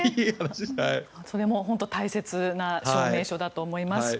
それも本当大切な証明書だと思います。